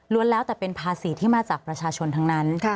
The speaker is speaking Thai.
แล้วแต่เป็นภาษีที่มาจากประชาชนทั้งนั้น